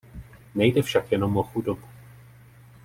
Nejde však jenom o chudobu.